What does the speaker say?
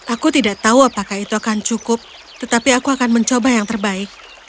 aku tidak tahu apakah itu akan cukup tetapi aku akan mencoba yang terbaik